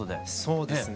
そうですね。